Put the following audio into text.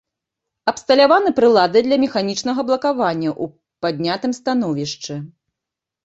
Абсталяваны прыладай для механічнага блакавання ў паднятым становішчы.